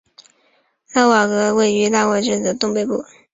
拉瓦勒站位于拉瓦勒市区的东北部。